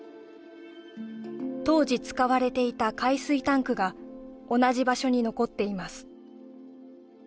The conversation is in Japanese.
当時使われていた海水タンクが同じ場所に残っています